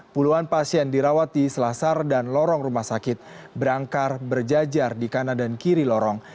puluhan pasien dirawat di selasar dan lorong rumah sakit berangkar berjajar di kanan dan kiri lorong